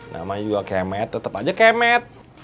namanya juga kemet tetap aja kemet